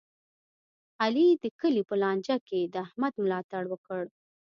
علي د کلي په لانجه کې د احمد ملا تړ وکړ.